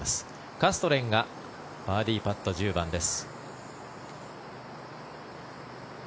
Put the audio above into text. カストレンがバーディーパット１０番です。